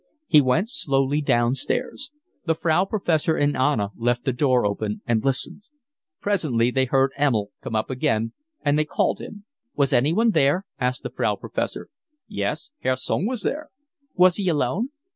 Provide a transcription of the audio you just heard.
He went slowly downstairs. The Frau Professor and Anna left the door open and listened. Presently they heard Emil come up again, and they called him. "Was anyone there?" asked the Frau Professor. "Yes, Herr Sung was there." "Was he alone?"